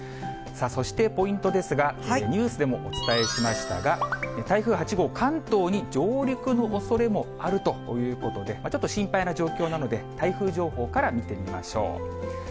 そしてポイントですが、ニュースでもお伝えしましたが、台風８号、関東に上陸のおそれもあるということで、ちょっと心配な状況なので、台風情報から見てみましょう。